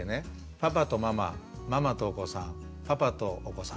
パパとママママとお子さんパパとお子さん。